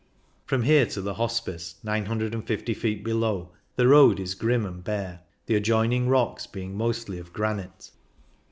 From here to the Hospice, 950 feet below, the road is grim and bare, the adjoining rocks being mostly of granite.